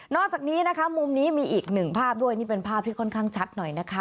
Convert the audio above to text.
อกจากนี้นะคะมุมนี้มีอีกหนึ่งภาพด้วยนี่เป็นภาพที่ค่อนข้างชัดหน่อยนะคะ